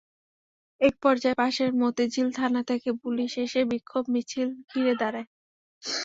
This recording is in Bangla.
একপর্যায়ে পাশের মতিঝিল থানা থেকে পুলিশ এসে বিক্ষোভ মিছিল ঘিরে দাঁড়ায়।